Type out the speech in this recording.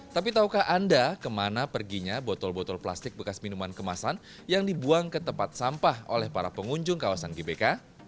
tapi tahukah anda kemana perginya botol botol plastik bekas minuman kemasan yang dibuang ke tempat sampah oleh para pengunjung kawasan gbk